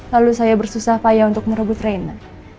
lalu saya bersusah payah untuk merebut reina